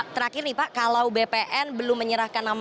terakhir nih pak kalau bpn belum menyerahkan nama